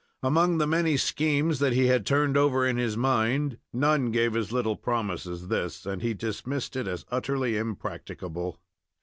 Among the many schemes that he had turned over in his mind, none gave as little promise as this, and he dismissed it as utterly impracticable.